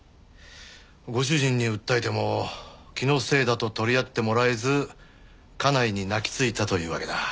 ご主人に訴えても気のせいだと取り合ってもらえず家内に泣きついたというわけだ。